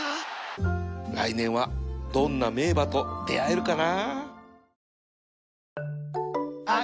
来年はどんな名馬と出合えるかな